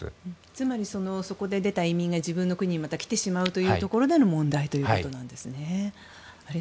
つまり、そこで出た移民が自分の国にまた来てしまうというところの問題ということなんですね。